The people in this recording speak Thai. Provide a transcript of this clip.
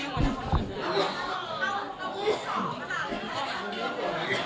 หอมมาถ่าที่ราฟิลั้น